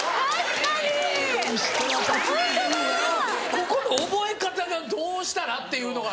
ここの覚え方がどうしたらっていうのが。